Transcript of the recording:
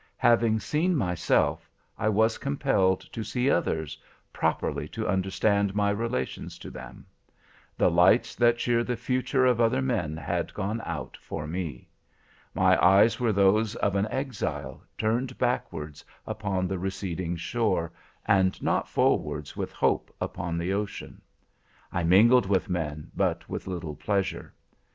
Having seen myself, I was compelled to see others, properly to understand my relations to them. The lights that cheer the future of other men had gone out for me. My eyes were those of an exile turned backwards upon the receding shore, and not forwards with hope upon the ocean. I mingled with men, but with little pleasure.